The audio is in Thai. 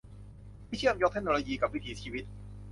ที่เชื่อมโยงเทคโนโลยีกับวิถีชีวิต